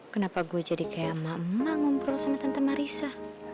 kenapa gue jadi kayak emak emak ngobrol sama tante marissa